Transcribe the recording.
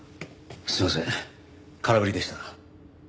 すいません空振りでした。